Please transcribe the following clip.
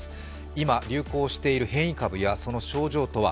今、流行している変異株やその症状とは？